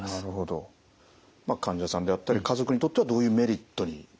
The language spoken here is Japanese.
患者さんであったり家族にとってはどういうメリットに。